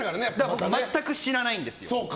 僕、全く知らないんですよ。